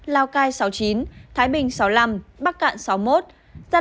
lào cai sáu mươi chín thái bình sáu mươi năm bắc cạn sáu mươi một